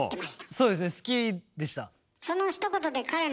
そうですね好きでした。